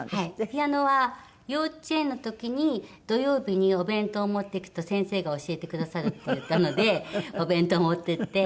ピアノは幼稚園の時に土曜日にお弁当を持っていくと先生が教えてくださるって言ったのでお弁当を持っていって。